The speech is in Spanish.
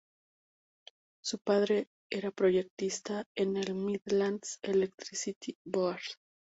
Su padre era proyectista en el Midlands Electricity Board.